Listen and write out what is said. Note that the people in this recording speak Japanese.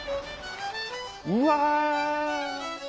うわ！